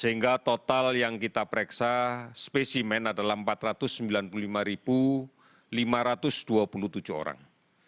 sehingga total yang kita pereksa spesimen adalah empat ratus sembilan puluh lima lima ratus dua puluh tujuh orang